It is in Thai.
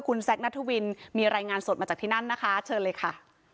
คุณแซคนัทวินมีรายงานสดมาจากที่นั่นนะคะเชิญเลยค่ะ